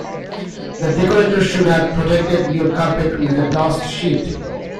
The decorator should have protected your carpet with a dust sheet